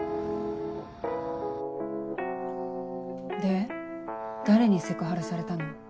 で誰にセクハラされたの？